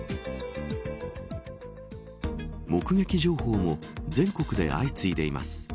目撃情報も全国で相次いでいます。